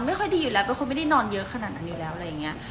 ไม่ค่อยดีอยู่แล้วเป็นคนไม่ได้นอนเยอะขนาดนั้นอยู่แล้วอะไรอย่างนี้